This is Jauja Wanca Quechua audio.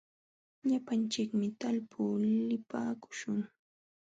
Llapanchikmi talpuu lipaakuśhun.